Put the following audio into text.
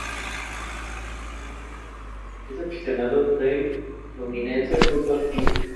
Solo han grabado dos canciones que se pueden escuchar en su sitio MySpace.